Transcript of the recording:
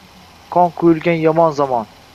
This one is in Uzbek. Qon quyilgan yomon zamon